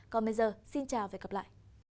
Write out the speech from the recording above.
còn bây giờ xin chào và hẹn gặp lại